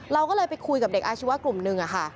เราก็เลยไปคุยกับเด็กอาชีวะกลุ่มหนึ่งค่ะ